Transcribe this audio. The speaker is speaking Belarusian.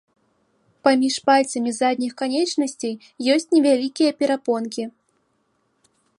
Паміж пальцамі задніх канечнасцей ёсць невялікія перапонкі.